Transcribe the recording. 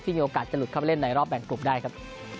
มีโอกาสจะหลุดเข้าไปเล่นในรอบแบ่งกลุ่มได้ครับ